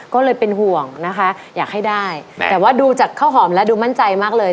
ก็เลยเป็นห่วงนะคะอยากให้ได้แต่ว่าดูจากข้าวหอมแล้วดูมั่นใจมากเลย